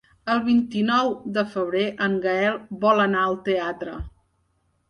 El vint-i-nou de febrer en Gaël vol anar al teatre.